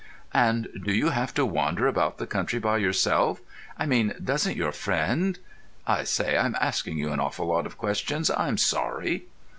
"And do you have to wander about the country by yourself? I mean, doesn't your friend—I say, I'm asking you an awful lot of questions. I'm sorry."